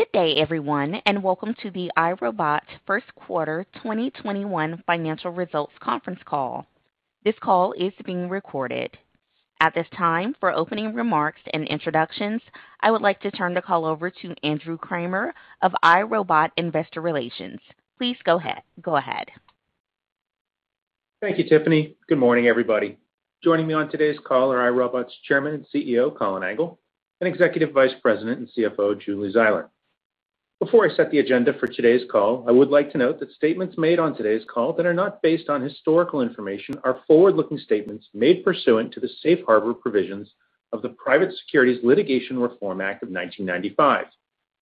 Good day, everyone, and welcome to the iRobot First Quarter 2021 Financial Results Conference Call. This call is being recorded. At this time, for opening remarks and introductions, I would like to turn the call over to Andrew Kramer of iRobot Investor Relations. Please go ahead. Thank you, Tiffany. Good morning, everybody. Joining me on today's call are iRobot's Chairman and CEO, Colin Angle, and Executive Vice President and CFO, Julie Zeiler. Before I set the agenda for today's call, I would like to note that statements made on today's call that are not based on historical information are forward-looking statements made pursuant to the safe harbor provisions of the Private Securities Litigation Reform Act of 1995.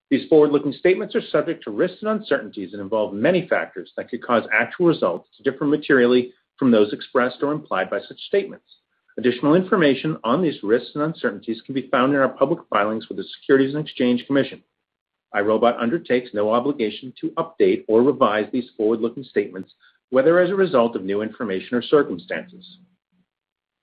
These forward-looking statements are subject to risks and uncertainties and involve many factors that could cause actual results to differ materially from those expressed or implied by such statements. Additional information on these risks and uncertainties can be found in our public filings with the Securities and Exchange Commission. iRobot undertakes no obligation to update or revise these forward-looking statements, whether as a result of new information or circumstances.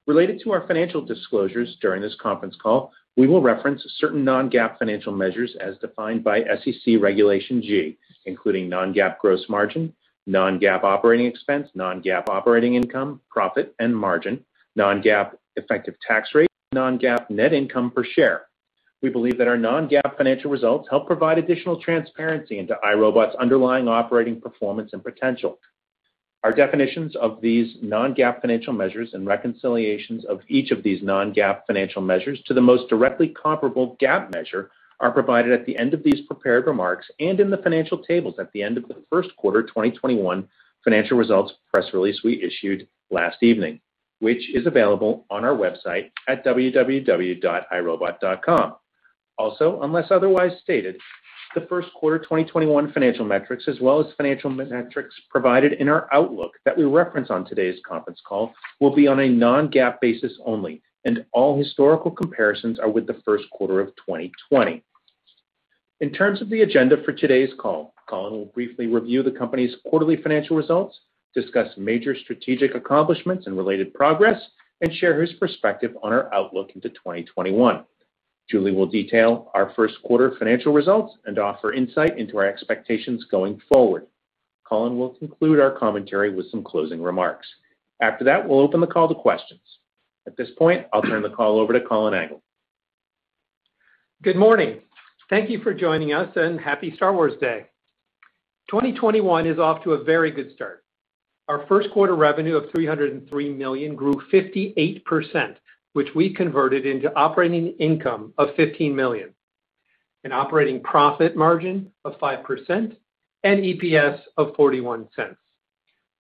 Related to our financial disclosures during this conference call, we will reference certain non-GAAP financial measures as defined by SEC Regulation G, including non-GAAP gross margin, non-GAAP operating expense, non-GAAP operating income, profit, and margin, non-GAAP effective tax rate, non-GAAP net income per share. We believe that our non-GAAP financial results help provide additional transparency into iRobot's underlying operating performance and potential. Our definitions of these non-GAAP financial measures and reconciliations of each of these non-GAAP financial measures to the most directly comparable GAAP measure are provided at the end of these prepared remarks and in the financial tables at the end of the first quarter 2021 financial results press release we issued last evening, which is available on our website at www.irobot.com. Unless otherwise stated, the first quarter 2021 financial metrics, as well as financial metrics provided in our outlook that we reference on today's conference call, will be on a non-GAAP basis only, and all historical comparisons are with the first quarter of 2020. In terms of the agenda for today's call, Colin will briefly review the company's quarterly financial results, discuss major strategic accomplishments and related progress, and share his perspective on our outlook into 2021. Julie will detail our first quarter financial results and offer insight into our expectations going forward. Colin will conclude our commentary with some closing remarks. After that, we'll open the call to questions. At this point, I'll turn the call over to Colin Angle. Good morning. Thank you for joining us, and happy Star Wars Day. 2021 is off to a very good start. Our first quarter revenue of $303 million grew 58%, which we converted into operating income of $15 million, an operating profit margin of 5%, and EPS of $0.41.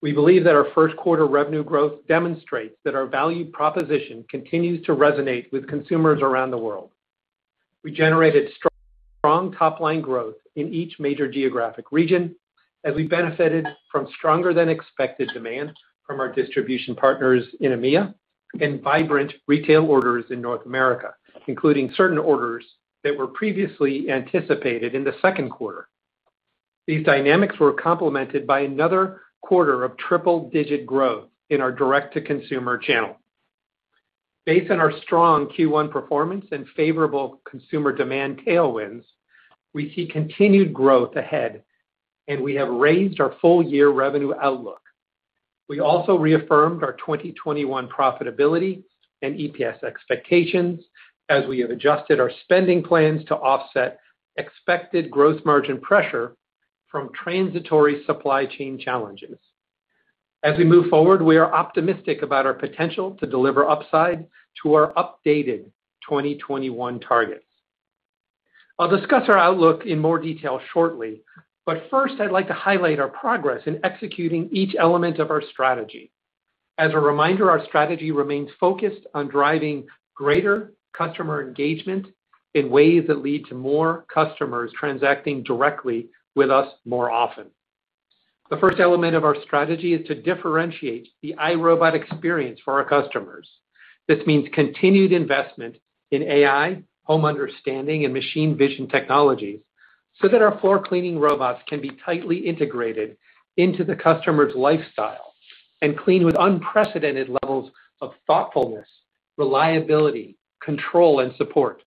We believe that our first quarter revenue growth demonstrates that our value proposition continues to resonate with consumers around the world. We generated strong top-line growth in each major geographic region as we benefited from stronger than expected demand from our distribution partners in EMEA and vibrant retail orders in North America, including certain orders that were previously anticipated in the second quarter. These dynamics were complemented by another quarter of triple-digit growth in our direct-to-consumer channel. Based on our strong Q1 performance and favorable consumer demand tailwinds, we see continued growth ahead. We have raised our full year revenue outlook. We also reaffirmed our 2021 profitability and EPS expectations as we have adjusted our spending plans to offset expected gross margin pressure from transitory supply chain challenges. As we move forward, we are optimistic about our potential to deliver upside to our updated 2021 targets. I'll discuss our outlook in more detail shortly. First, I'd like to highlight our progress in executing each element of our strategy. As a reminder, our strategy remains focused on driving greater customer engagement in ways that lead to more customers transacting directly with us more often. The first element of our strategy is to differentiate the iRobot experience for our customers. This means continued investment in AI, home understanding, and machine vision technologies so that our floor cleaning robots can be tightly integrated into the customer's lifestyle and clean with unprecedented levels of thoughtfulness, reliability, control, and support.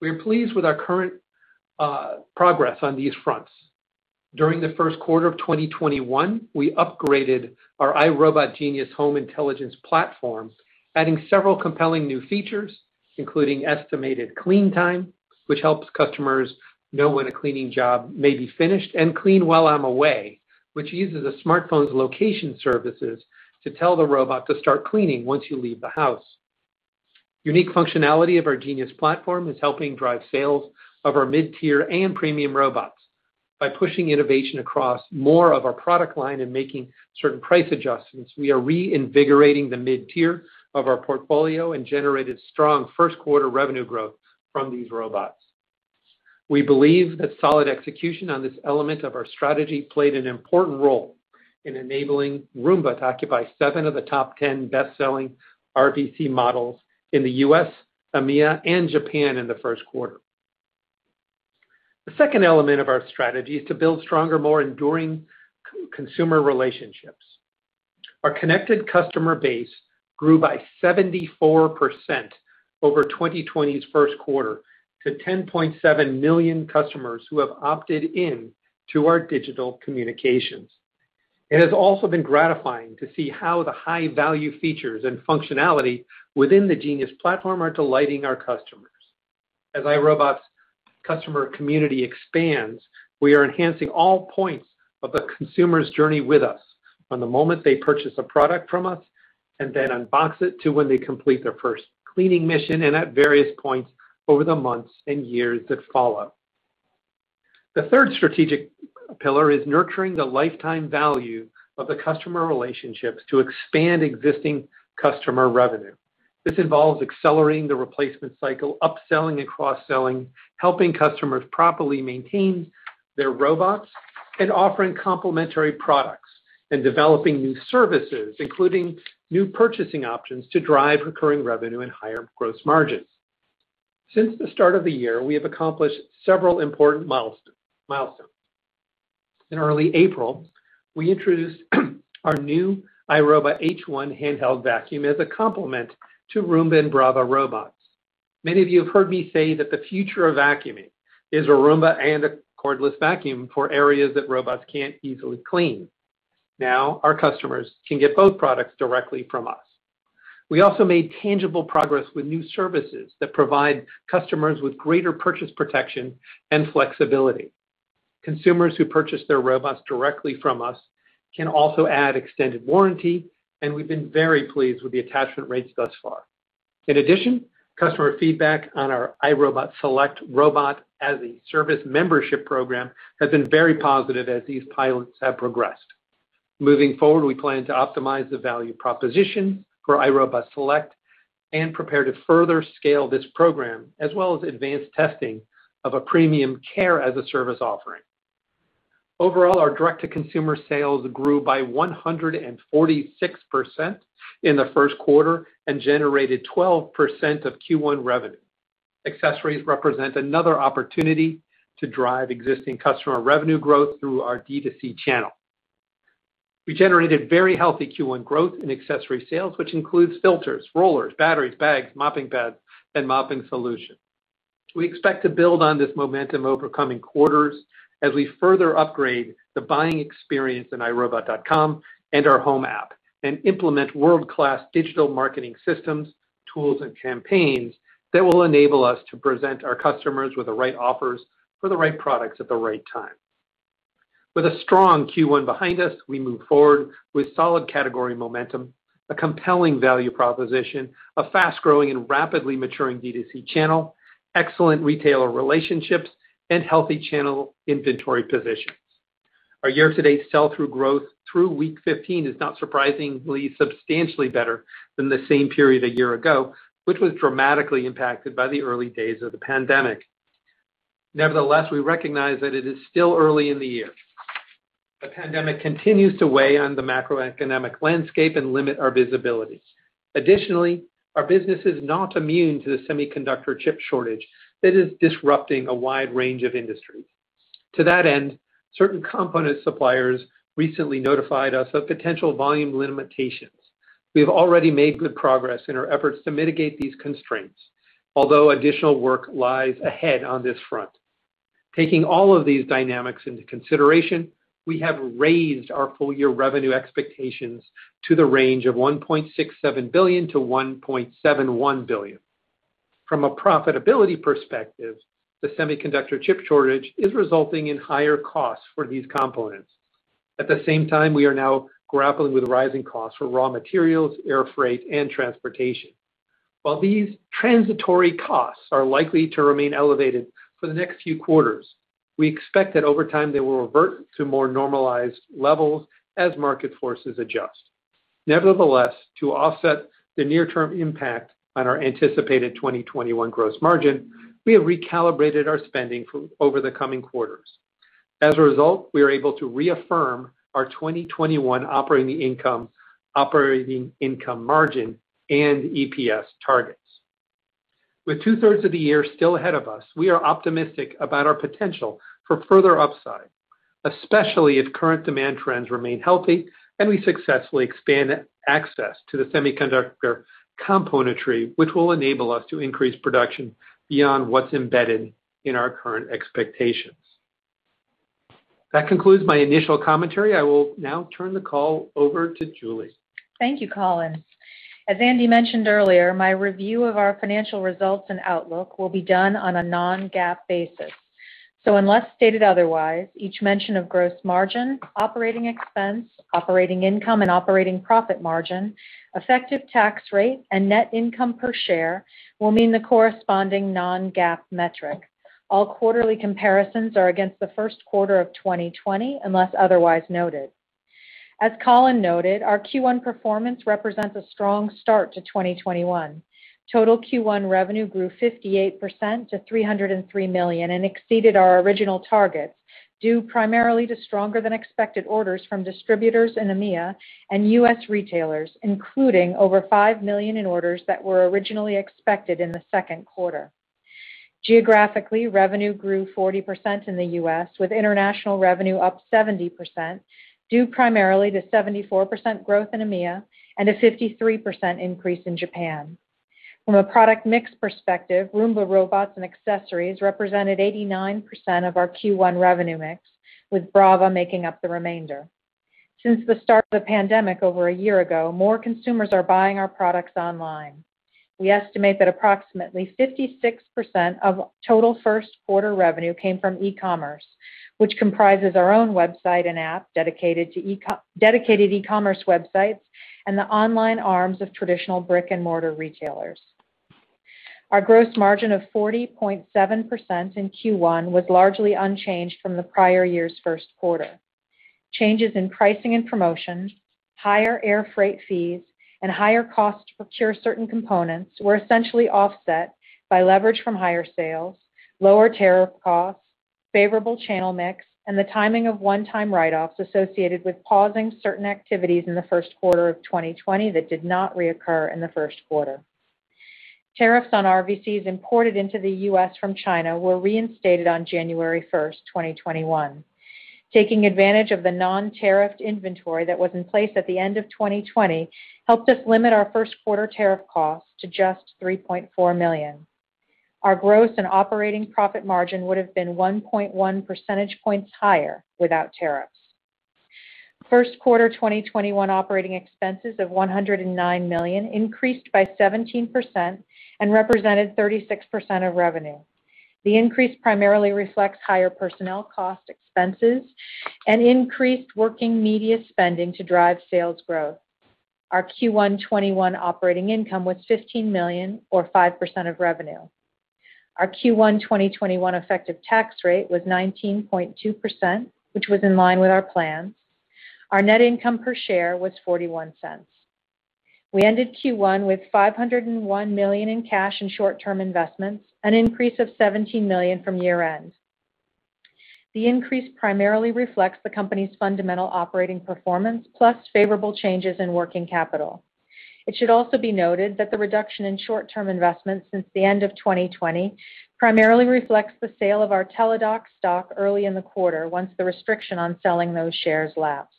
We are pleased with our current progress on these fronts. During the first quarter of 2021, we upgraded our iRobot Genius home intelligence platform, adding several compelling new features, including estimated clean time, which helps customers know when a cleaning job may be finished, and Clean While I'm Away, which uses a smartphone's location services to tell the robot to start cleaning once you leave the house. Unique functionality of our Genius platform is helping drive sales of our mid-tier and premium robots. By pushing innovation across more of our product line and making certain price adjustments, we are reinvigorating the mid-tier of our portfolio and generated strong first quarter revenue growth from these robots. We believe that solid execution on this element of our strategy played an important role in enabling Roomba to occupy seven of the top 10 best-selling RVC models in the U.S., EMEA, and Japan in the first quarter. The second element of our strategy is to build stronger, more enduring consumer relationships. Our connected customer base grew by 74% over 2020's first quarter to 10.7 million customers who have opted in to our digital communications. It has also been gratifying to see how the high-value features and functionality within the Genius platform are delighting our customers. As iRobot's customer community expands, we are enhancing all points of the consumer's journey with us, from the moment they purchase a product from us, and then unbox it, to when they complete their first cleaning mission, and at various points over the months and years that follow. The third strategic pillar is nurturing the lifetime value of the customer relationships to expand existing customer revenue. This involves accelerating the replacement cycle, upselling and cross-selling, helping customers properly maintain their robots, and offering complementary products and developing new services, including new purchasing options to drive recurring revenue and higher gross margins. Since the start of the year, we have accomplished several important milestones. In early April, we introduced our new iRobot H1 handheld vacuum as a complement to Roomba and Braava robots. Many of you have heard me say that the future of vacuuming is a Roomba and a cordless vacuum for areas that robots can't easily clean. Now, our customers can get both products directly from us. We also made tangible progress with new services that provide customers with greater purchase protection and flexibility. Consumers who purchase their robots directly from us can also add extended warranty, and we've been very pleased with the attachment rates thus far. In addition, customer feedback on our iRobot Select robot-as-a-service membership program has been very positive as these pilots have progressed. Moving forward, we plan to optimize the value proposition for iRobot Select and prepare to further scale this program, as well as advance testing of a premium Care as a Service offering. Overall, our direct-to-consumer sales grew by 146% in the first quarter and generated 12% of Q1 revenue. Accessories represent another opportunity to drive existing customer revenue growth through our D2C channel. We generated very healthy Q1 growth in accessory sales, which includes filters, rollers, batteries, bags, mopping pads, and mopping solution. We expect to build on this momentum over coming quarters as we further upgrade the buying experience in irobot.com and our home app, and implement world-class digital marketing systems, tools, and campaigns that will enable us to present our customers with the right offers for the right products at the right time. With a strong Q1 behind us, we move forward with solid category momentum, a compelling value proposition, a fast-growing and rapidly maturing D2C channel, excellent retailer relationships, and healthy channel inventory positions. Our year-to-date sell-through growth through week 15 is not surprisingly substantially better than the same period a year ago, which was dramatically impacted by the early days of the pandemic. Nevertheless, we recognize that it is still early in the year. The pandemic continues to weigh on the macroeconomic landscape and limit our visibility. Additionally, our business is not immune to the semiconductor chip shortage that is disrupting a wide range of industries. To that end, certain component suppliers recently notified us of potential volume limitations. We have already made good progress in our efforts to mitigate these constraints, although additional work lies ahead on this front. Taking all of these dynamics in consideration, we have raised our full-year revenue expectations to the range of $1.67 billion-$1.71 billion. From a profitability perspective, the semiconductor chip shortage is resulting in higher costs for these components. At the same time, we are now grappling with rising costs for raw materials, air freight, and transportation. While these transitory costs are likely to remain elevated for the next few quarters, we expect that over time, they will revert to more normalized levels as market forces adjust. Nevertheless, to offset the near-term impact on our anticipated 2021 gross margin, we have recalibrated our spending over the coming quarters. As a result, we are able to reaffirm our 2021 operating income, operating income margin, and EPS targets. With two-thirds of the year still ahead of us, we are optimistic about our potential for further upside, especially if current demand trends remain healthy and we successfully expand access to the semiconductor componentry, which will enable us to increase production beyond what's embedded in our current expectations. That concludes my initial commentary. I will now turn the call over to Julie. Thank you, Colin. As Andy mentioned earlier, my review of our financial results and outlook will be done on a non-GAAP basis. Unless stated otherwise, each mention of gross margin, operating expense, operating income, and operating profit margin, effective tax rate, and net income per share will mean the corresponding non-GAAP metric. All quarterly comparisons are against the first quarter of 2020, unless otherwise noted. As Colin noted, our Q1 performance represents a strong start to 2021. Total Q1 revenue grew 58% to $303 million and exceeded our original targets, due primarily to stronger than expected orders from distributors in EMEA and U.S. retailers, including over $5 million in orders that were originally expected in the second quarter. Geographically, revenue grew 40% in the U.S., with international revenue up 70%, due primarily to 74% growth in EMEA and a 53% increase in Japan. From a product mix perspective, Roomba robots and accessories represented 89% of our Q1 revenue mix, with Braava making up the remainder. Since the start of the pandemic over a year ago, more consumers are buying our products online. We estimate that approximately 56% of total first quarter revenue came from e-commerce, which comprises our own website and app, dedicated e-commerce websites, and the online arms of traditional brick-and-mortar retailers. Our gross margin of 40.7% in Q1 was largely unchanged from the prior year's first quarter. Changes in pricing and promotions, higher air freight fees, and higher costs to procure certain components were essentially offset by leverage from higher sales, lower tariff costs, favorable channel mix, and the timing of one-time write-offs associated with pausing certain activities in the first quarter of 2020 that did not reoccur in the first quarter. Tariffs on RVCs imported into the U.S. from China were reinstated on January 1st, 2021. Taking advantage of the non-tariff inventory that was in place at the end of 2020 helped us limit our first quarter tariff costs to just $3.4 million. Our gross and operating profit margin would have been 1.1 percentage points higher without tariffs. First quarter 2021 operating expenses of $109 million increased by 17% and represented 36% of revenue. The increase primarily reflects higher personnel cost expenses and increased working media spending to drive sales growth. Our Q1 '21 operating income was $15 million, or 5% of revenue. Our Q1 2021 effective tax rate was 19.2%, which was in line with our plans. Our net income per share was $0.41. We ended Q1 with $501 million in cash and short-term investments, an increase of $17 million from year-end. The increase primarily reflects the company's fundamental operating performance, plus favorable changes in working capital. It should also be noted that the reduction in short-term investments since the end of 2020 primarily reflects the sale of our Teladoc stock early in the quarter once the restriction on selling those shares lapsed.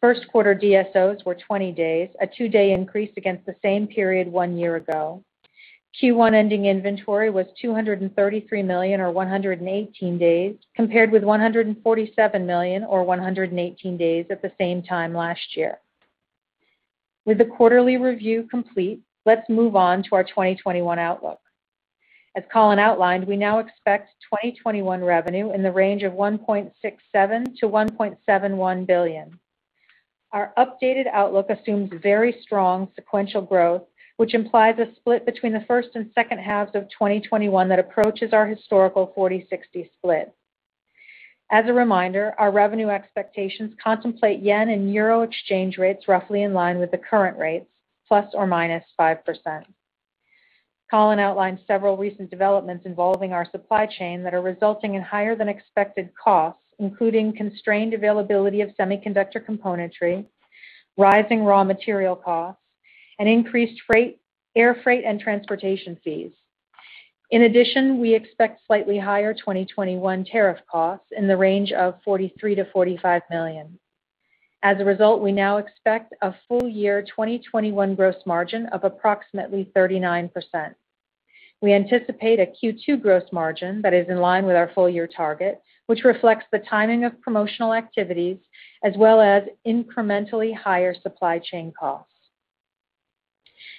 First quarter DSOs were 20 days, a two-day increase against the same period one year ago. Q1 ending inventory was $233 million, or 118 days, compared with $147 million or 118 days at the same time last year. With the quarterly review complete, let's move on to our 2021 outlook. As Colin outlined, we now expect 2021 revenue in the range of $1.67 billion-$1.71 billion. Our updated outlook assumes very strong sequential growth, which implies a split between the first and second halves of 2021 that approaches our historical 40/60 split. As a reminder, our revenue expectations contemplate yen and euro exchange rates roughly in line with the current rates, ±5%. Colin outlined several recent developments involving our supply chain that are resulting in higher than expected costs, including constrained availability of semiconductor componentry, rising raw material costs, and increased air freight and transportation fees. In addition, we expect slightly higher 2021 tariff costs in the range of $43 million-$45 million. As a result, we now expect a full-year 2021 gross margin of approximately 39%. We anticipate a Q2 gross margin that is in line with our full-year target, which reflects the timing of promotional activities, as well as incrementally higher supply chain costs.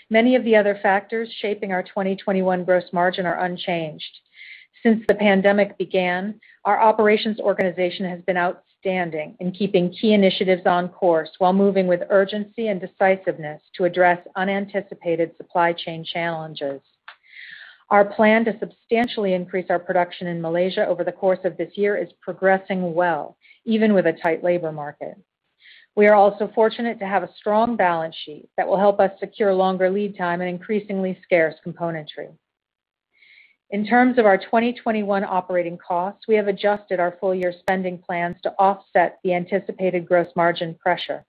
Many of the other factors shaping our 2021 gross margin are unchanged. Since the pandemic began, our operations organization has been outstanding in keeping key initiatives on course while moving with urgency and decisiveness to address unanticipated supply chain challenges. Our plan to substantially increase our production in Malaysia over the course of this year is progressing well, even with a tight labor market. We are also fortunate to have a strong balance sheet that will help us secure longer lead time and increasingly scarce componentry. In terms of our 2021 operating costs, we have adjusted our full-year spending plans to offset the anticipated gross margin pressure.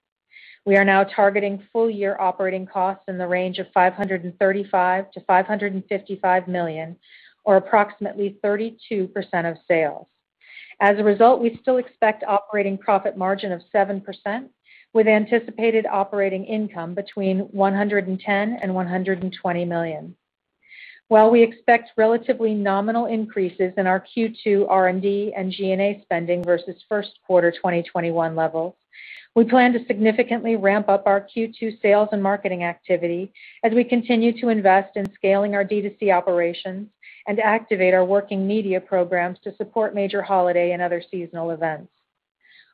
We are now targeting full-year operating costs in the range of $535 million-$555 million, or approximately 32% of sales. As a result, we still expect operating profit margin of 7%, with anticipated operating income between $110 million and $120 million. While we expect relatively nominal increases in our Q2 R&D and G&A spending versus first quarter 2021 levels, we plan to significantly ramp up our Q2 sales and marketing activity as we continue to invest in scaling our D2C operations and activate our working media programs to support major holiday and other seasonal events.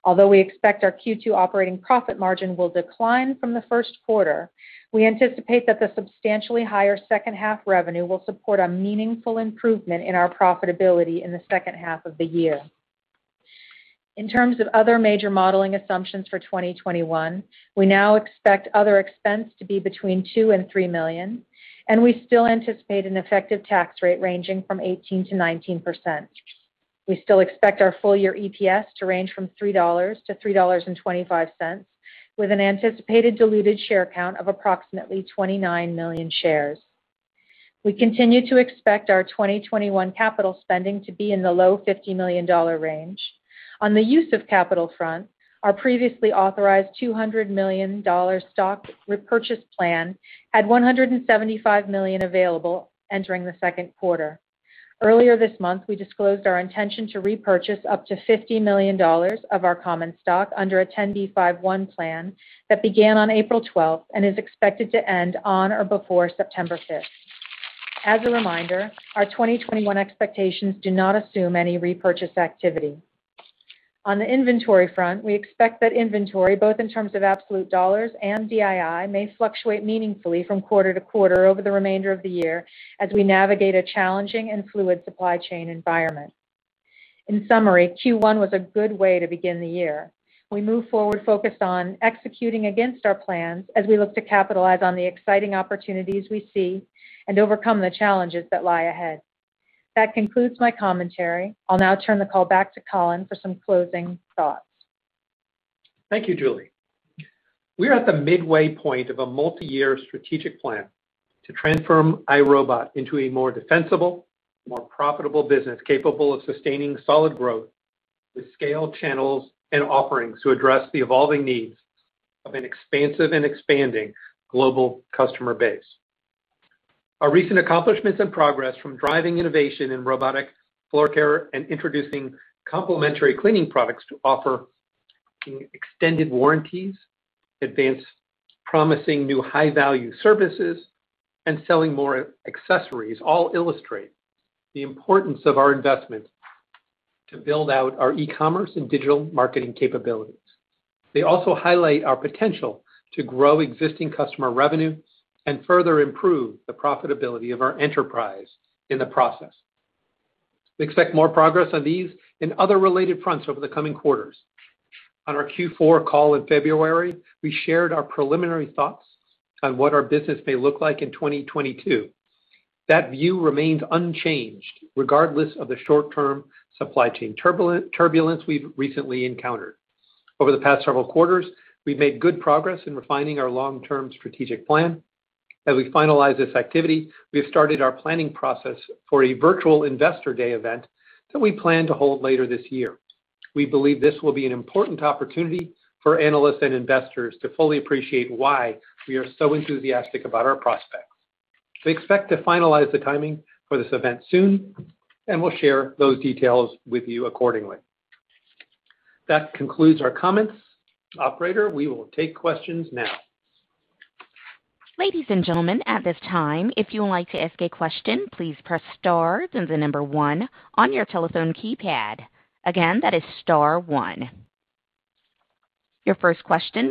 Although we expect our Q2 operating profit margin will decline from the first quarter, we anticipate that the substantially higher second half revenue will support a meaningful improvement in our profitability in the second half of the year. In terms of other major modeling assumptions for 2021, we now expect other expense to be between $2 million-$3 million, and we still anticipate an effective tax rate ranging from 18%-19%. We still expect our full year EPS to range from $3-$3.25, with an anticipated diluted share count of approximately 29 million shares. We continue to expect our 2021 capital spending to be in the low $50 million range. On the use of capital front, our previously authorized $200 million stock repurchase plan had $175 million available entering the second quarter. Earlier this month, we disclosed our intention to repurchase up to $50 million of our common stock under a 10b5-1 plan that began on April 12th and is expected to end on or before September 5th. As a reminder, our 2021 expectations do not assume any repurchase activity. On the inventory front, we expect that inventory, both in terms of absolute dollars and DII, may fluctuate meaningfully from quarter to quarter over the remainder of the year as we navigate a challenging and fluid supply chain environment. In summary, Q1 was a good way to begin the year. We move forward focused on executing against our plans as we look to capitalize on the exciting opportunities we see and overcome the challenges that lie ahead. That concludes my commentary. I'll now turn the call back to Colin for some closing thoughts. Thank you, Julie. We are at the midway point of a multi-year strategic plan to transform iRobot into a more defensible, more profitable business capable of sustaining solid growth with scale channels and offerings to address the evolving needs of an expansive and expanding global customer base. Our recent accomplishments and progress from driving innovation in robotic floor care and introducing complementary cleaning products to offer extended warranties, advance promising new high-value services, and selling more accessories, all illustrate the importance of our investment to build out our e-commerce and digital marketing capabilities. They also highlight our potential to grow existing customer revenue and further improve the profitability of our enterprise in the process. We expect more progress on these and other related fronts over the coming quarters. On our Q4 call in February, we shared our preliminary thoughts on what our business may look like in 2022. That view remains unchanged, regardless of the short-term supply chain turbulence we've recently encountered. Over the past several quarters, we've made good progress in refining our long-term strategic plan. As we finalize this activity, we have started our planning process for a virtual investor day event that we plan to hold later this year. We believe this will be an important opportunity for analysts and investors to fully appreciate why we are so enthusiastic about our prospects. We expect to finalize the timing for this event soon, and we'll share those details with you accordingly. That concludes our comments. Operator, we will take questions now. Your first question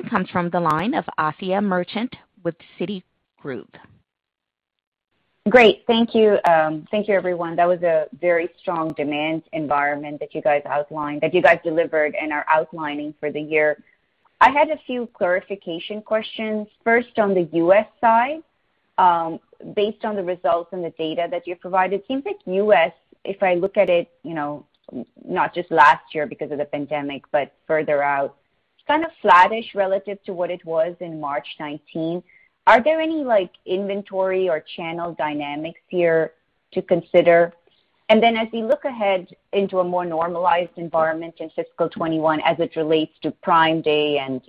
comes from the line of Asiya Merchant with Citigroup. Great. Thank you, everyone. That was a very strong demand environment that you guys delivered and are outlining for the year. I had a few clarification questions. First, on the U.S. side, based on the results and the data that you provided, seems like U.S., if I look at it, not just last year because of the pandemic, but further out, kind of flattish relative to what it was in March 2019. Are there any inventory or channel dynamics here to consider? As we look ahead into a more normalized environment in FY 2021, as it relates to Prime Day and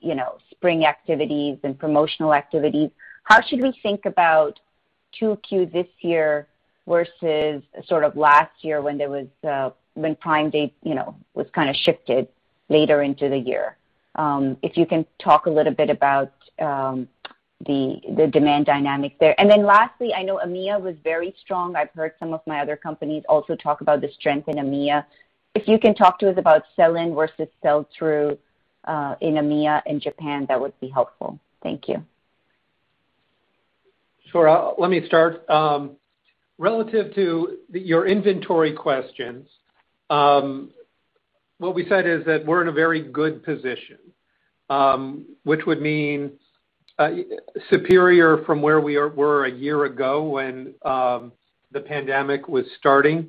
spring activities and promotional activities, how should we think about 2Q this year versus last year when Prime Day was kind of shifted later into the year? If you can talk a little bit about the demand dynamics there. Lastly, I know EMEA was very strong. I've heard some of my other companies also talk about the strength in EMEA. If you can talk to us about sell-in versus sell-through, in EMEA and Japan, that would be helpful. Thank you. Sure. Let me start. Relative to your inventory questions, what we said is that we're in a very good position, which would mean superior from where we were a year ago when the pandemic was starting.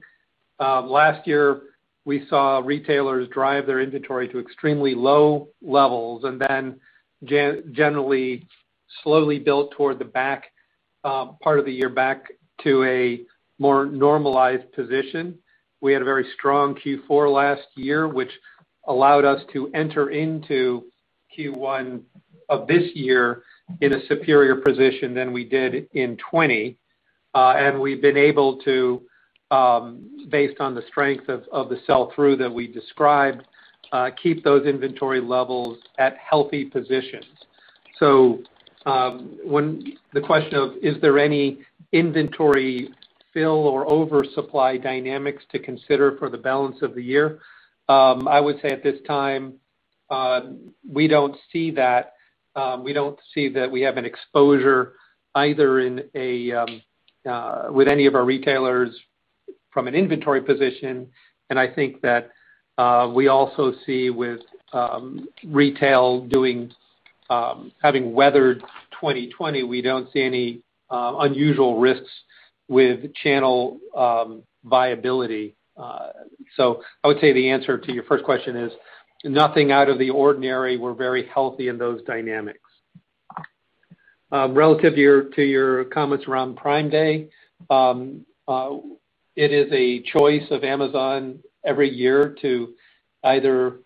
Last year, we saw retailers drive their inventory to extremely low levels and then generally slowly built toward the back part of the year, back to a more normalized position. We had a very strong Q4 last year, which allowed us to enter into Q1 of this year in a superior position than we did in 2020. We've been able to, based on the strength of the sell-through that we described, keep those inventory levels at healthy positions. The question of, is there any inventory fill or oversupply dynamics to consider for the balance of the year? I would say at this time, we don't see that. We don't see that we have an exposure either with any of our retailers from an inventory position. Having weathered 2020, we don't see any unusual risks with channel viability. I would say the answer to your first question is nothing out of the ordinary, we're very healthy in those dynamics. Relative to your comments around Prime Day, it is a choice of Amazon every year to either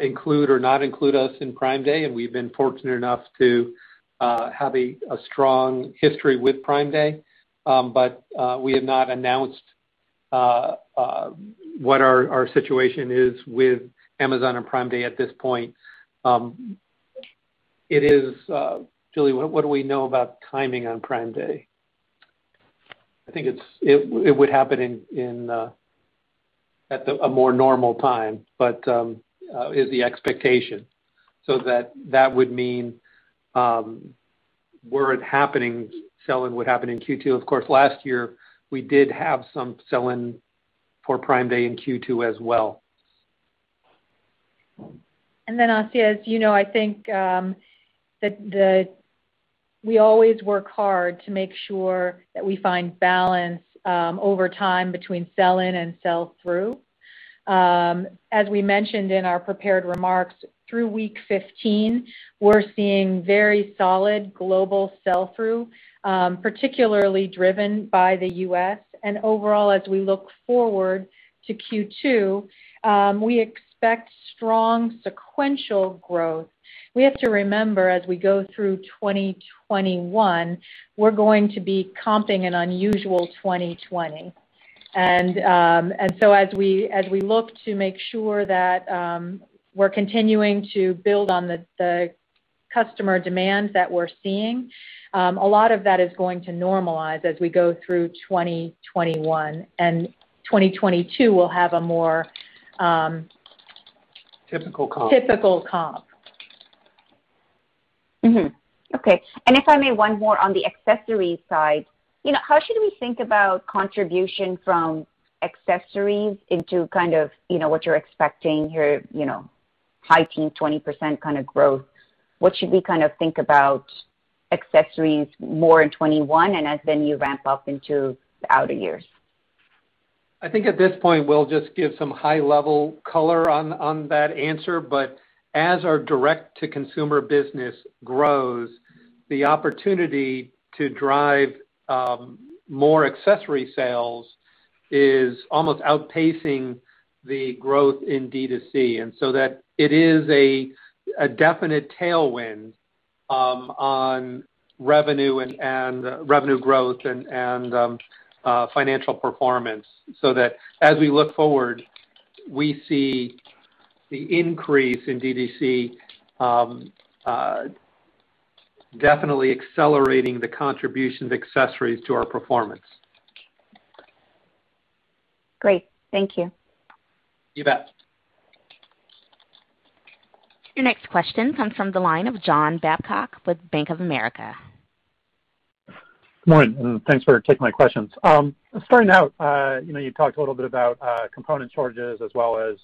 include or not include us in Prime Day, and we've been fortunate enough to have a strong history with Prime Day. We have not announced what our situation is with Amazon and Prime Day at this point. Julie, what do we know about timing on Prime Day? I think it would happen at a more normal time, is the expectation. That would mean were it happening, sell-in would happen in Q2. Of course, last year, we did have some sell-in for Prime Day in Q2 as well. Asiya, as you know, I think that we always work hard to make sure that we find balance over time between sell-in and sell-through. As we mentioned in our prepared remarks, through week 15, we're seeing very solid global sell-through, particularly driven by the U.S. Overall, as we look forward to Q2, we expect strong sequential growth. We have to remember, as we go through 2021, we're going to be comping an unusual 2020. As we look to make sure that we're continuing to build on the customer demand that we're seeing, a lot of that is going to normalize as we go through 2021 and 2022 we'll have more typical comp. Okay. If I may, one more on the accessories side. How should we think about contribution from accessories into what you're expecting here, high teen, 20% kind of growth? What should we think about accessories more in 2021 as then you ramp up into the outer years? I think at this point, we'll just give some high-level color on that answer. As our direct-to-consumer business grows, the opportunity to drive more accessory sales is almost outpacing the growth in D2C. That it is a definite tailwind on revenue growth and financial performance, so that as we look forward, we see the increase in D2C definitely accelerating the contribution of accessories to our performance. Great. Thank you. You bet. Your next question comes from the line of John Babcock with Bank of America. Morning, thanks for taking my questions. Starting out, you talked a little bit about component shortages as well as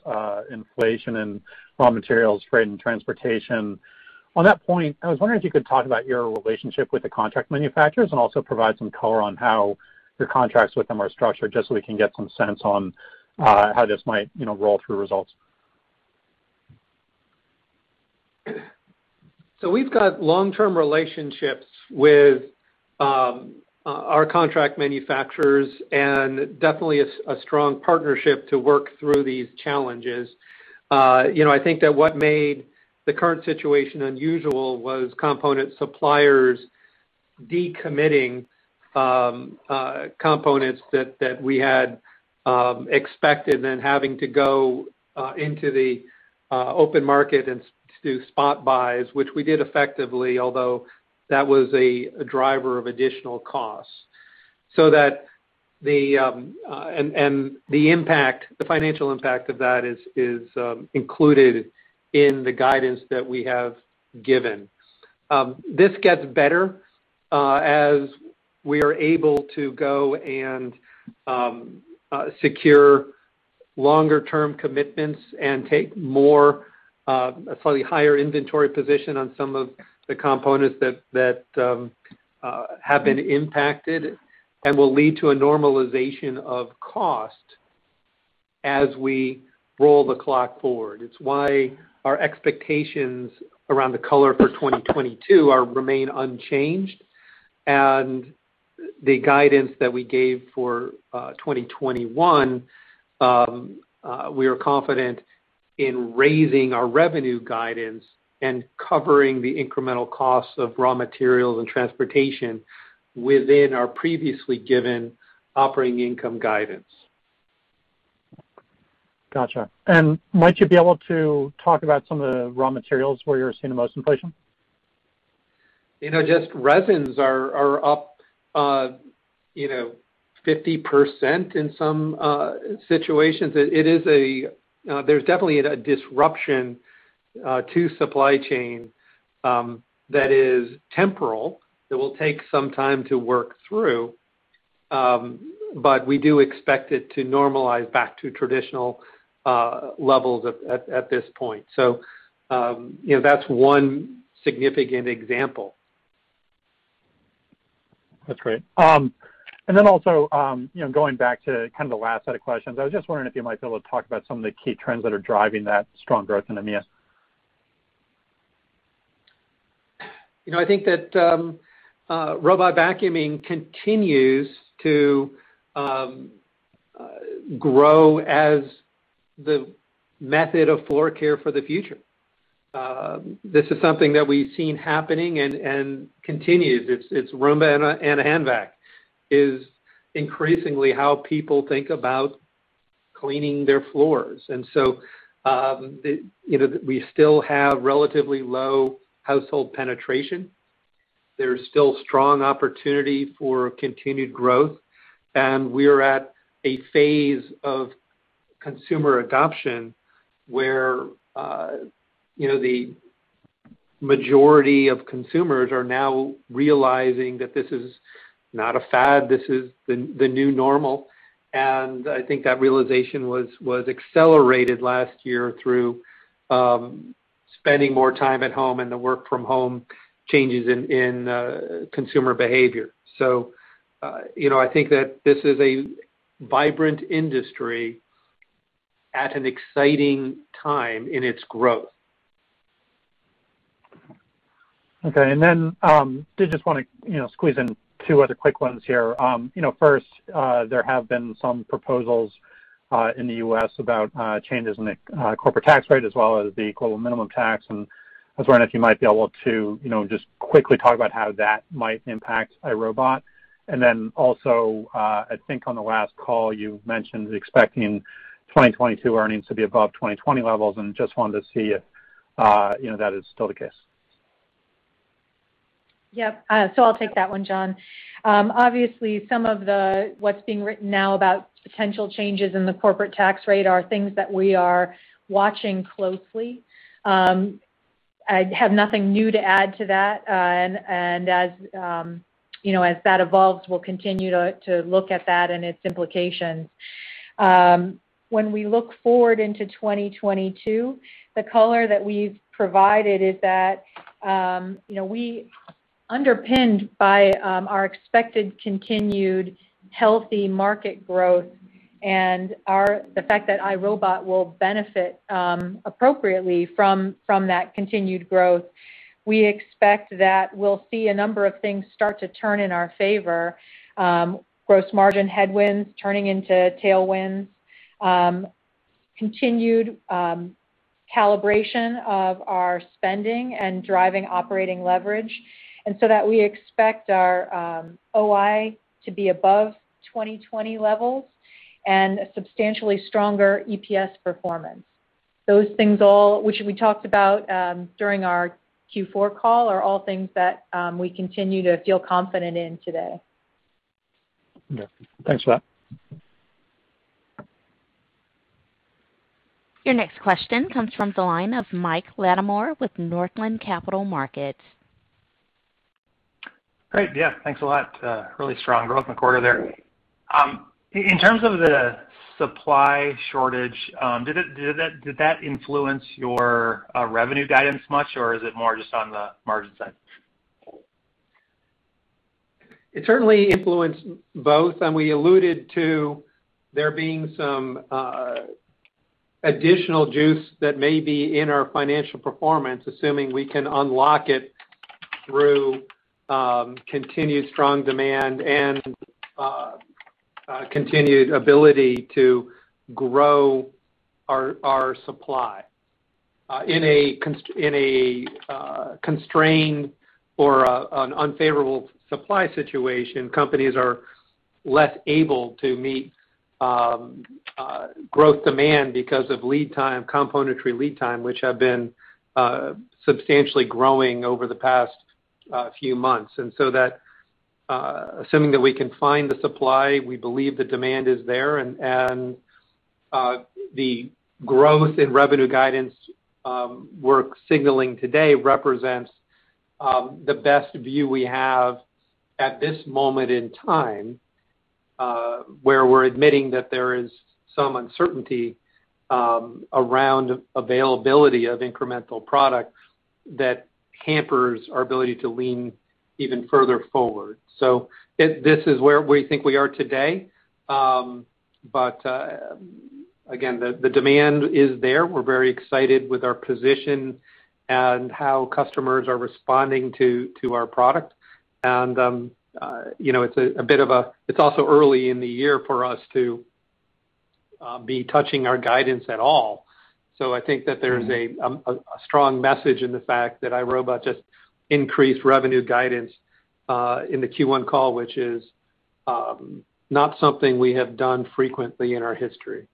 inflation in raw materials, freight, and transportation. On that point, I was wondering if you could talk about your relationship with the contract manufacturers and also provide some color on how your contracts with them are structured, just so we can get some sense on how this might roll through results. We've got long-term relationships with our contract manufacturers and definitely a strong partnership to work through these challenges. I think that what made the current situation unusual was component suppliers decommitting components that we had expected, and having to go into the open market and do spot buys, which we did effectively, although that was a driver of additional cost. The financial impact of that is included in the guidance that we have given. This gets better as we are able to go and secure longer-term commitments and take a slightly higher inventory position on some of the components that have been impacted and will lead to a normalization of cost as we roll the clock forward. It's why our expectations around the color for 2022 remain unchanged. The guidance that we gave for 2021, we are confident in raising our revenue guidance and covering the incremental costs of raw materials and transportation within our previously given operating income guidance. Got you. Might you be able to talk about some of the raw materials where you're seeing the most inflation? Just resins are up 50% in some situations. There's definitely a disruption to supply chain that is temporal, that will take some time to work through. We do expect it to normalize back to traditional levels at this point. That's one significant example. That's great. Also, going back to the last set of questions, I was just wondering if you might be able to talk about some of the key trends that are driving that strong growth in EMEA. I think that robot vacuuming continues to grow as the method of floor care for the future. This is something that we've seen happening and continues. It's Roomba and a hand vac is increasingly how people think about cleaning their floors. We still have relatively low household penetration. There's still strong opportunity for continued growth, and we are at a phase of consumer adoption where the majority of consumers are now realizing that this is not a fad, this is the new normal. I think that realization was accelerated last year through spending more time at home and the work from home changes in consumer behavior. I think that this is a vibrant industry at an exciting time in its growth. Okay, did just want to squeeze in two other quick ones here. First, there have been some proposals in the U.S. about changes in the corporate tax rate as well as the global minimum tax, and I was wondering if you might be able to just quickly talk about how that might impact iRobot. Also, I think on the last call you mentioned expecting 2022 earnings to be above 2020 levels, and just wanted to see if that is still the case. Yep. I'll take that one, John. Obviously, some of what's being written now about potential changes in the corporate tax rate are things that we are watching closely. I have nothing new to add to that, and as that evolves, we'll continue to look at that and its implications. When we look forward into 2022, the color that we've provided is that, we underpinned by our expected continued healthy market growth and the fact that iRobot will benefit appropriately from that continued growth. We expect that we'll see a number of things start to turn in our favor: gross margin headwinds turning into tailwinds, continued calibration of our spending and driving operating leverage, and that we expect our OI to be above 2020 levels and a substantially stronger EPS performance. Those things all, which we talked about during our Q4 call, are all things that we continue to feel confident in today. Okay. Thanks for that. Your next question comes from the line of Mike Latimore with Northland Capital Markets. Great. Yeah, thanks a lot. Really strong growth in the quarter there. In terms of the supply shortage, did that influence your revenue guidance much, or is it more just on the margin side? It certainly influenced both, and we alluded to there being some additional juice that may be in our financial performance, assuming we can unlock it through continued strong demand and continued ability to grow our supply. In a constrained or an unfavorable supply situation, companies are less able to meet growth demand because of lead time, componentry lead time, which have been substantially growing over the past few months. So that, assuming that we can find the supply, we believe the demand is there, and the growth in revenue guidance we're signaling today represents the best view we have at this moment in time, where we're admitting that there is some uncertainty around availability of incremental product that hampers our ability to lean even further forward. This is where we think we are today. Again, the demand is there. We're very excited with our position and how customers are responding to our product. It's also early in the year for us to be touching our guidance at all. I think that there's a strong message in the fact that iRobot just increased revenue guidance in the Q1 call, which is not something we have done frequently in our history.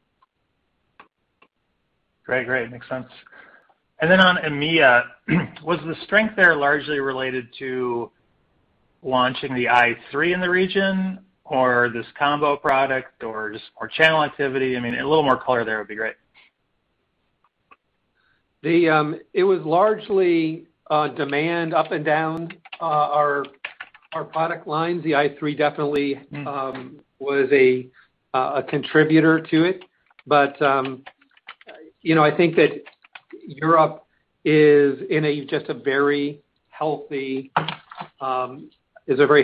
Great. Makes sense. On EMEA, was the strength there largely related to launching the i3 in the region or this Roomba Combo product, or just more channel activity? A little more color there would be great. It was largely demand up and down our product lines. The i3 definitely was a contributor to it. I think that Europe is a very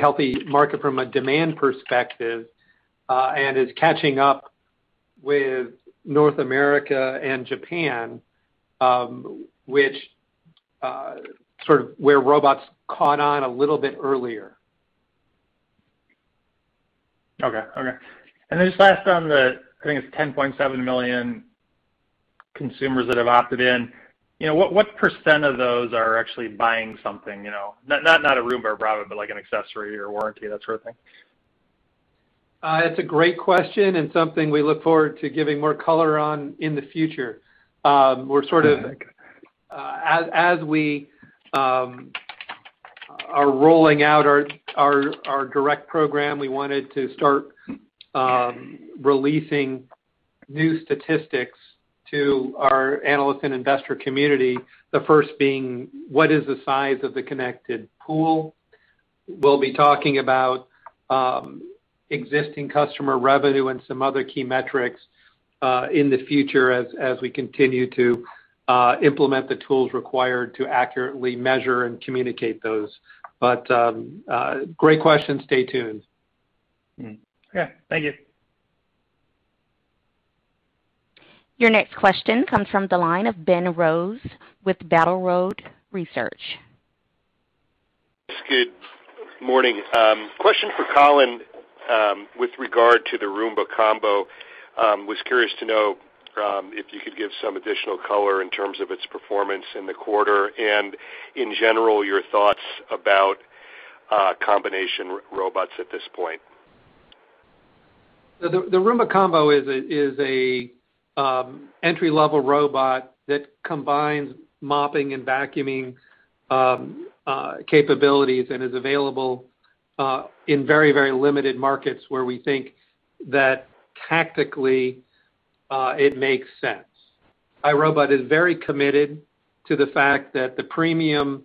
healthy market from a demand perspective, and is catching up with North America and Japan, where robots caught on a little bit earlier. Okay. Just last on the, I think it's 10.7 million consumers that have opted in. What % of those are actually buying something? Not a Roomba or Braava, but like an accessory or warranty, that sort of thing. It's a great question, and something we look forward to giving more color on in the future. As we are rolling out our direct program, we wanted to start releasing new statistics to our analyst and investor community, the first being what is the size of the connected pool. We'll be talking about existing customer revenue and some other key metrics in the future as we continue to implement the tools required to accurately measure and communicate those. Great question. Stay tuned. Okay. Thank you. Your next question comes from the line of Ben Rose with Battle Road Research. Good morning. Question for Colin with regard to the Roomba Combo. Was curious to know if you could give some additional color in terms of its performance in the quarter and, in general, your thoughts about combination robots at this point. The Roomba Combo is an entry-level robot that combines mopping and vacuuming capabilities and is available in very limited markets where we think that tactically it makes sense. iRobot is very committed to the fact that the premium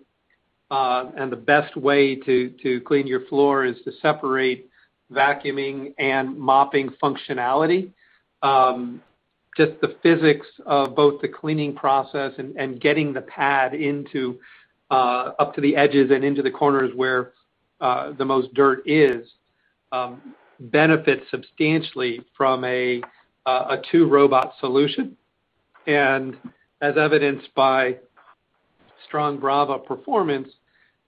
and the best way to clean your floor is to separate vacuuming and mopping functionality. The physics of both the cleaning process and getting the pad up to the edges and into the corners where the most dirt is, benefits substantially from a two-robot solution. As evidenced by strong Braava performance,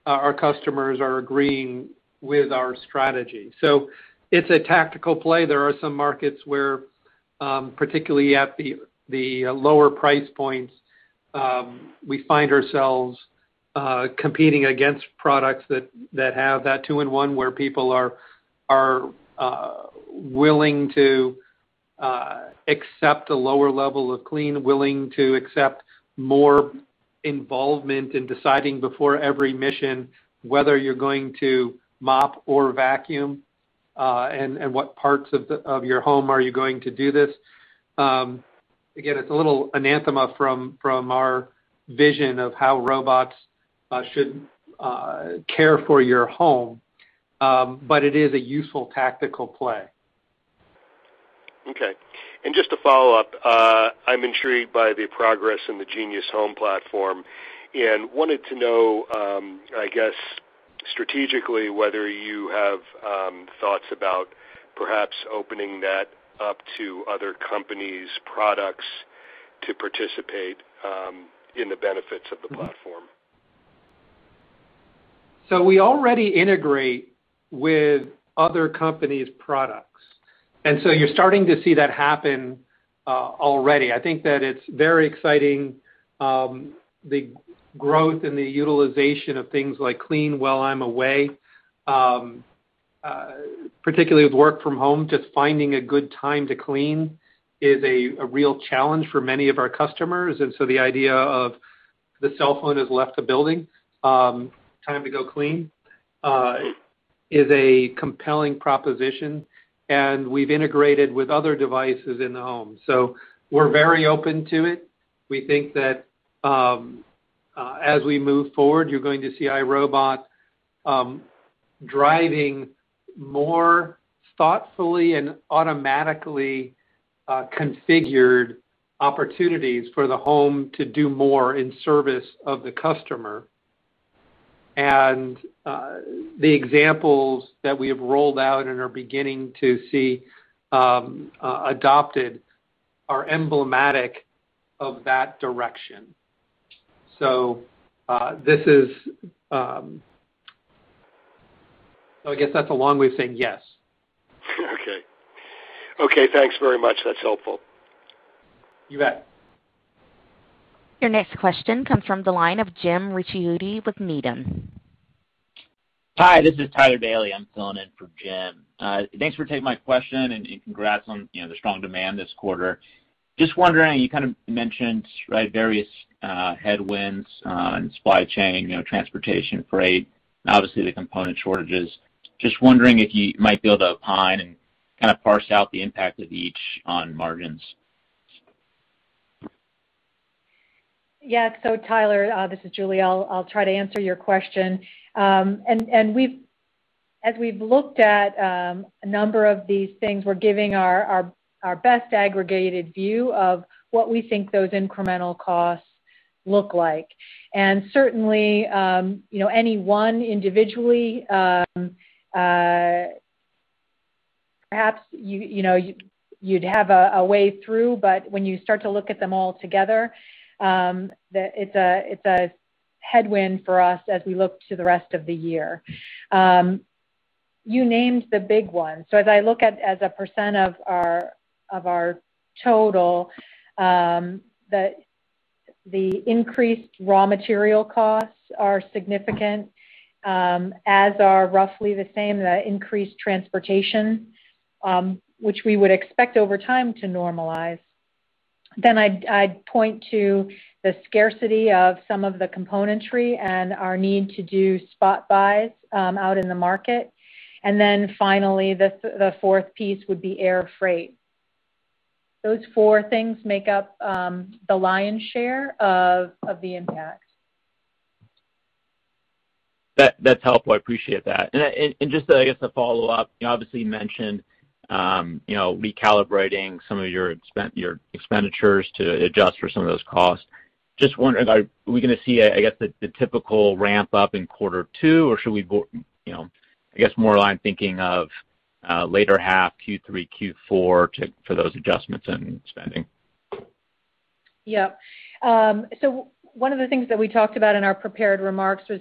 our customers are agreeing with our strategy. It's a tactical play. There are some markets where, particularly at the lower price points, we find ourselves competing against products that have that two-in-one, where people are willing to accept a lower level of clean, willing to accept more involvement in deciding before every mission whether you're going to mop or vacuum, and what parts of your home are you going to do this. Again, it's a little anathema from our vision of how robots should care for your home. It is a useful tactical play. Okay. Just to follow up, I'm intrigued by the progress in the Genius home platform and wanted to know, I guess strategically, whether you have thoughts about perhaps opening that up to other companies' products to participate in the benefits of the platform. We already integrate with other companies' products, you're starting to see that happen already. I think that it's very exciting, the growth and the utilization of things like Clean While I'm Away, particularly with work from home, just finding a good time to clean is a real challenge for many of our customers. The idea of the cell phone has left the building, time to go clean, is a compelling proposition, and we've integrated with other devices in the home. We're very open to it. We think that as we move forward, you're going to see iRobot driving more thoughtfully and automatically configured opportunities for the home to do more in service of the customer. The examples that we have rolled out and are beginning to see adopted are emblematic of that direction. I guess that's a long way of saying yes. Okay. Thanks very much. That's helpful. You bet. Your next question comes from the line of Jim Ricchiuti with Needham. Hi, this is Tyler Bailey. I'm filling in for Jim. Thanks for taking my question and congrats on the strong demand this quarter. Just wondering, you mentioned various headwinds in supply chain, transportation, freight, and obviously the component shortages. Just wondering if you might be able to opine and kind of parse out the impact of each on margins? Yeah. Tyler, this is Julie, I'll try to answer your question. As we've looked at a number of these things, we're giving our best aggregated view of what we think those incremental costs look like. Certainly, any one individually, perhaps you'd have a way through, but when you start to look at them all together, it's a headwind for us as we look to the rest of the year. You named the big ones. As I look at as a percent of our total, the increased raw material costs are significant, as are roughly the same, the increased transportation, which we would expect over time to normalize. I'd point to the scarcity of some of the componentry and our need to do spot buys out in the market. Finally, the fourth piece would be air freight. Those four things make up the lion's share of the impact. That's helpful. I appreciate that. Just a follow-up, you obviously mentioned recalibrating some of your expenditures to adjust for some of those costs. Just wondering, are we going to see the typical ramp-up in quarter two, or more I'm thinking of later half Q3, Q4 for those adjustments in spending? One of the things that we talked about in our prepared remarks was,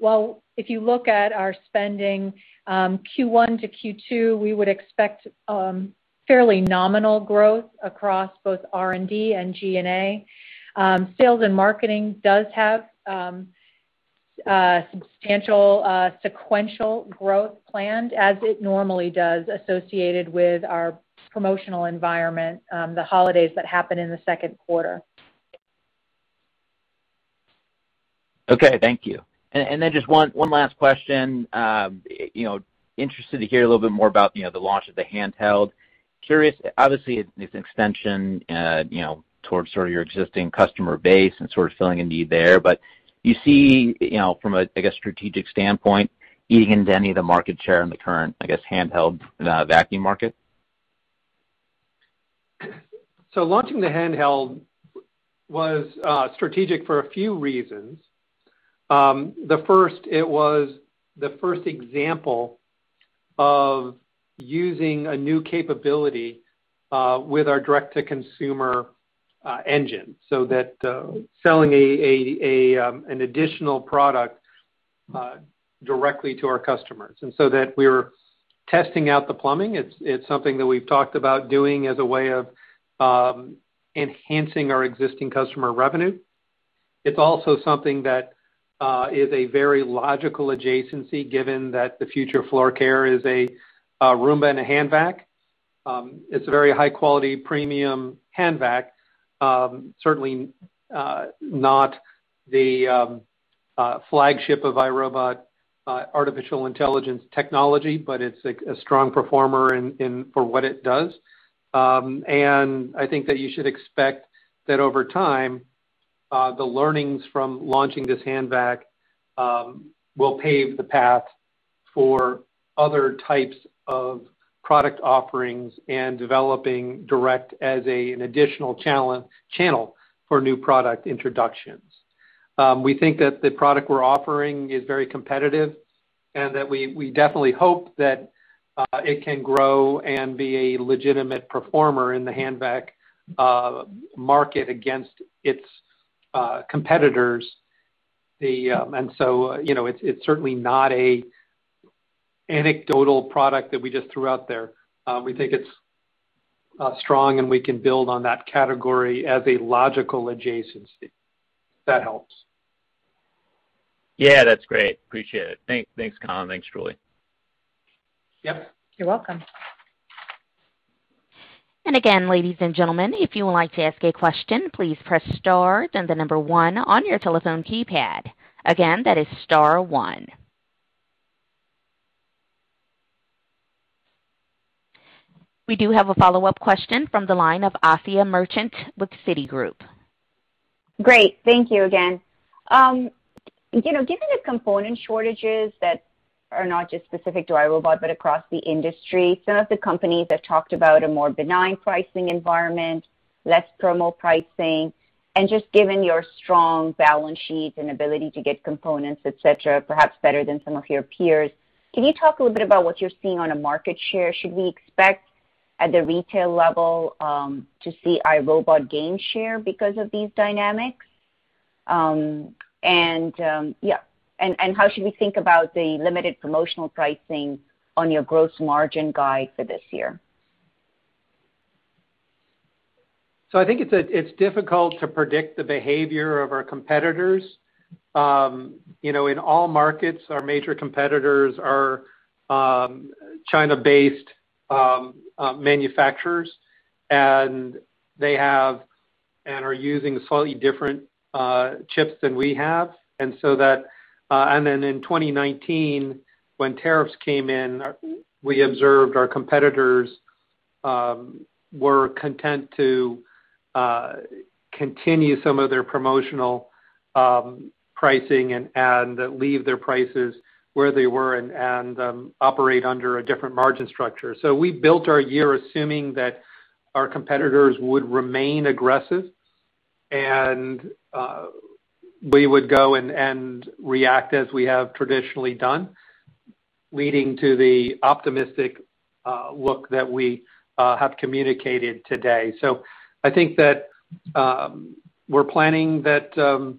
if you look at our spending, Q1 to Q2, we would expect fairly nominal growth across both R&D and G&A. Sales and marketing does have substantial sequential growth planned, as it normally does associated with our promotional environment, the holidays that happen in the second quarter. Okay, thank you. Just one last question. Interested to hear a little bit more about the launch of the handheld. Curious, obviously, it's an extension towards sort of your existing customer base and sort of filling a need there. Do you see, from a, I guess, strategic standpoint, eating into any of the market share in the current, I guess, handheld vacuum market? Launching the handheld was strategic for a few reasons. The first, it was the first example of using a new capability with our direct-to-consumer engine, so that selling an additional product directly to our customers, that we're testing out the plumbing. It's something that we've talked about doing as a way of enhancing our existing customer revenue. It's also something that is a very logical adjacency, given that the future of floor care is a Roomba and a hand vac. It's a very high-quality, premium hand vac. Certainly, not the flagship of iRobot artificial intelligence technology, but it's a strong performer for what it does. I think that you should expect that over time, the learnings from launching this hand vac will pave the path for other types of product offerings and developing direct as an additional channel for new product introductions. We think that the product we're offering is very competitive and that we definitely hope that it can grow and be a legitimate performer in the hand vac market against its competitors. It's certainly not an anecdotal product that we just threw out there. We think it's strong, and we can build on that category as a logical adjacency, if that helps. Yeah, that's great. Appreciate it. Thanks, Colin. Thanks, Julie. Yep. You're welcome. Again, ladies and gentlemen, if you would like to ask a question, please press star then the number 1 on your telephone keypad. Again, that is star 1. We do have a follow-up question from the line of Asiya Merchant with Citigroup. Great. Thank you again. Given the component shortages that are not just specific to iRobot, but across the industry, some of the companies have talked about a more benign pricing environment, less promo pricing. Just given your strong balance sheet and ability to get components, et cetera, perhaps better than some of your peers, can you talk a little bit about what you're seeing on a market share? Should we expect at the retail level to see iRobot gain share because of these dynamics? How should we think about the limited promotional pricing on your gross margin guide for this year? I think it's difficult to predict the behavior of our competitors. In all markets, our major competitors are China-based manufacturers, and they have and are using slightly different chips than we have. In 2019, when tariffs came in, we observed our competitors were content to continue some of their promotional pricing and leave their prices where they were and operate under a different margin structure. We built our year assuming that our competitors would remain aggressive, and we would go and react as we have traditionally done, leading to the optimistic look that we have communicated today. I think that we're planning for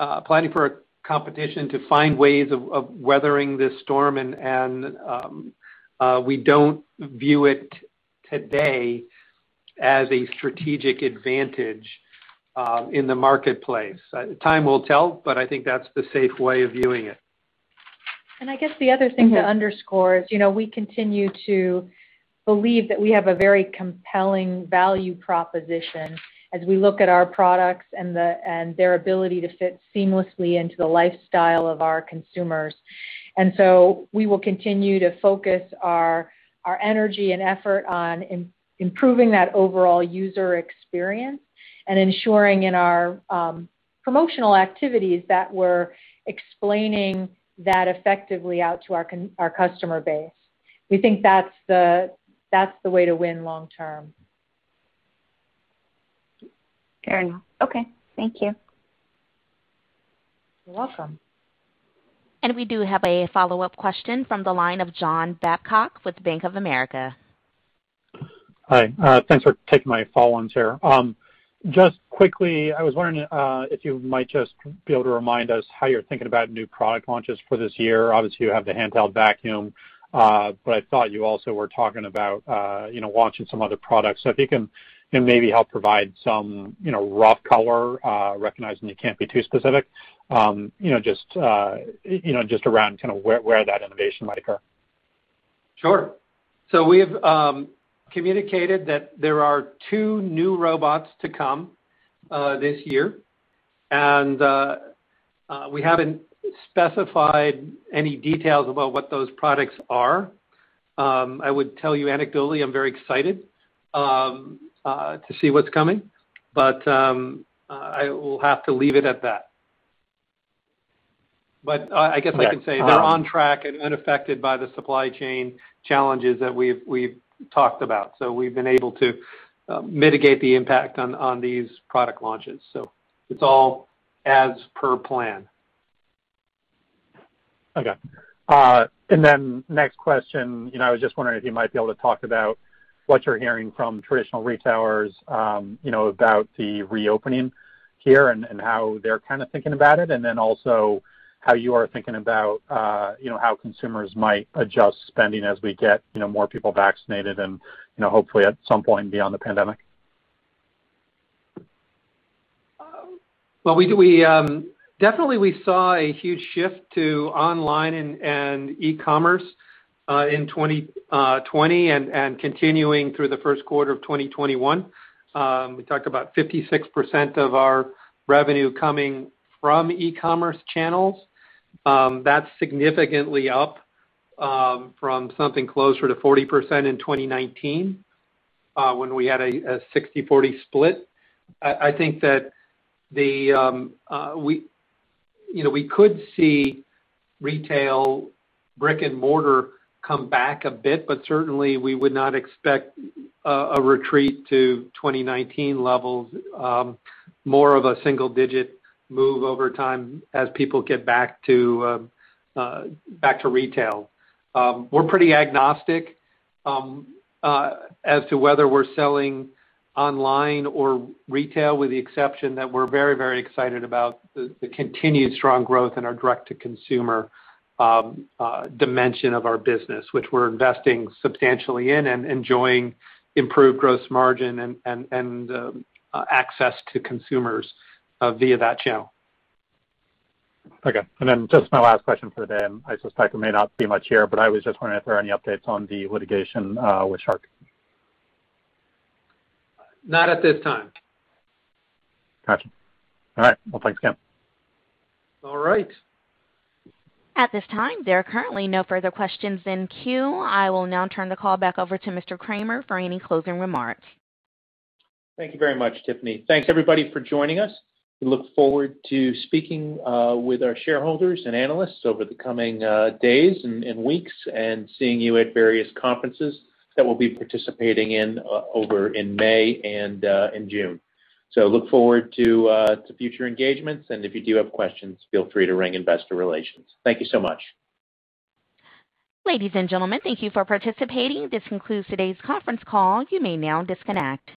a competition to find ways of weathering this storm and we don't view it today as a strategic advantage in the marketplace. Time will tell, but I think that's the safe way of viewing it. I guess the other thing to underscore is, we continue to believe that we have a very compelling value proposition as we look at our products and their ability to fit seamlessly into the lifestyle of our consumers. We will continue to focus our energy and effort on improving that overall user experience and ensuring in our promotional activities that we're explaining that effectively out to our customer base. We think that's the way to win long-term. Fair enough. Okay. Thank you. You're welcome. We do have a follow-up question from the line of John Babcock with Bank of America. Hi. Thanks for taking my follow-ons here. Just quickly, I was wondering if you might just be able to remind us how you're thinking about new product launches for this year. Obviously, you have the handheld vacuum. I thought you also were talking about launching some other products. If you can maybe help provide some rough color, recognizing you can't be too specific, just around where that innovation might occur. Sure. We have communicated that there are two new robots to come this year, and we haven't specified any details about what those products are. I would tell you anecdotally, I'm very excited to see what's coming, I will have to leave it at that. I guess I can say they're on track and unaffected by the supply chain challenges that we've talked about. We've been able to mitigate the impact on these product launches. It's all as per plan. Okay. Next question, I was just wondering if you might be able to talk about what you're hearing from traditional retailers about the reopening here and how they're kind of thinking about it, and then also how you are thinking about how consumers might adjust spending as we get more people vaccinated and hopefully at some point beyond the pandemic? Well, definitely we saw a huge shift to online and e-commerce in 2020 and continuing through the first quarter of 2021. We talked about 56% of our revenue coming from e-commerce channels. That's significantly up from something closer to 40% in 2019, when we had a 60/40 split. I think that we could see retail brick and mortar come back a bit, but certainly we would not expect a retreat to 2019 levels, more of a single-digit move over time as people get back to retail. We're pretty agnostic as to whether we're selling online or retail, with the exception that we're very, very excited about the continued strong growth in our direct-to-consumer dimension of our business, which we're investing substantially in and enjoying improved gross margin and access to consumers via that channel. Okay. Then just my last question for the day, and I suspect there may not be much here, but I was just wondering if there are any updates on the litigation with SharkNinja. Not at this time. Got you. All right. Thanks, Colin. All right. At this time, there are currently no further questions in queue. I will now turn the call back over to Mr. Kramer for any closing remarks. Thank you very much, Tiffany. Thanks everybody for joining us. We look forward to speaking with our shareholders and analysts over the coming days and weeks and seeing you at various conferences that we'll be participating in over in May and in June. Look forward to future engagements. If you do have questions, feel free to ring investor relations. Thank you so much. Ladies and gentlemen, thank you for participating. This concludes today's conference call. You may now disconnect.